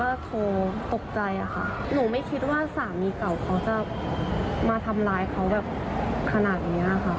หนูไม่คิดว่าสามีเก่าเขาจะมาทำลายเขาแบบขนาดงี้ค่ะ